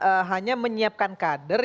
kami hanya menyiapkan kader